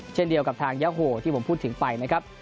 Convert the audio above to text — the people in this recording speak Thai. เช่นเดียวกับทางยาโหที่ผมพูดถึงไปนะครับ